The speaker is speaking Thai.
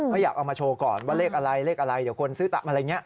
ก็อยากเอามาโชว์ก่อนว่าเลขอะไรเลขอะไรเดี๋ยวคนซื้อตามอะไรอย่างนี้